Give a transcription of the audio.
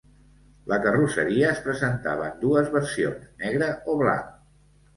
La carrosseria es presentava en dues versions: negre o blanc.